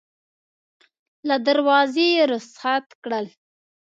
له دروازې یې رخصت کړل.